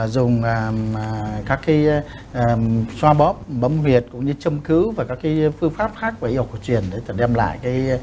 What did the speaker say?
dùng các xoa bóp bấm huyệt châm cứu và các phương pháp khác của y học của truyền để đem lại